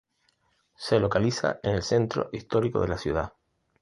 Se localiza en el centro histórico de la ciudad.